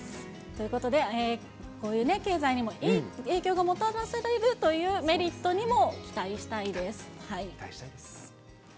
ということで、こういうね、経済にもいい影響がもたらされるというメリットにも期待したいで期待したいです。